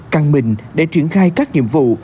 căng mình để triển khai các nhiệm vụ